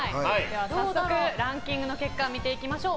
早速ランキングの結果見ていきましょう。